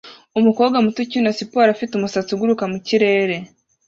umukobwa muto ukina siporo afite umusatsi uguruka mukirere